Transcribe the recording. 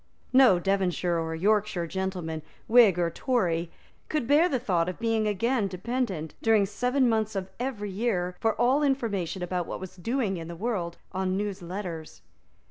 No Devonshire or Yorkshire gentleman, Whig or Tory, could bear the thought of being again dependent, during seven months of every year, for all information about what was doing in the world, on newsletters.